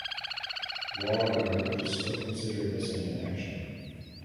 Wagner is still considered missing in action.